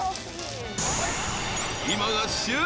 ［今が旬。